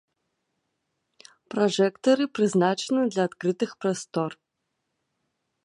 Пражэктары, прызначаны для адкрытых прастор.